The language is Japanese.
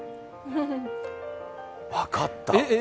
分かった！